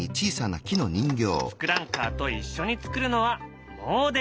ツクランカーと一緒に作るのは「もおでる」。